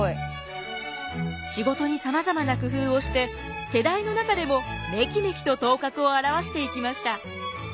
仕事にさまざまな工夫をして手代の中でもメキメキと頭角を現していきました。